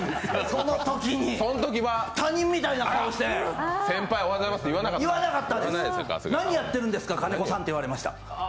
そのときに他人みたいな顔して先輩おはようございますって言わなかったです、何やってるんですか、金子さんって言われました。